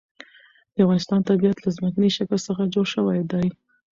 د افغانستان طبیعت له ځمکنی شکل څخه جوړ شوی دی.